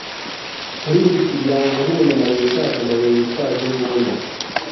muri buri kiganza, nkumunyamabuye ushaje-amabuye yitwaje imbunda